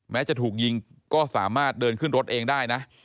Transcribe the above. จะถูกยิงก็สามารถเดินขึ้นรถเองได้นะ